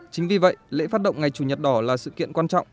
chính vì vậy lễ phát động ngày chủ nhật đỏ là sự kiện quan trọng